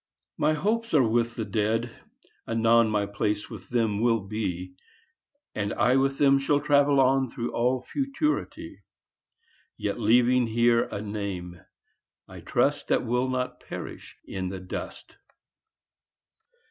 My hopes are with the Dead, anon My place with them will be, And I with them shall travel on Through all Futurity; Yet leaving here a name, I trust, That will not perish in the dust.